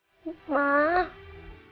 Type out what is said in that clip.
makanya jangan pernah berhenti untuk doain mama ya